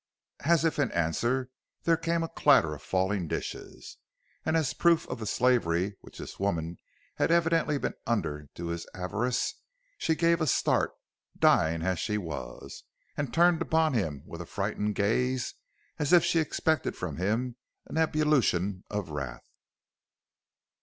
"As if in answer there came a clatter as of falling dishes, and as proof of the slavery which this woman had evidently been under to his avarice, she gave a start, dying as she was, and turned upon him with a frightened gaze, as if she expected from him an ebullition of wrath.